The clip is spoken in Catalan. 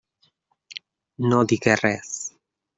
No digué res.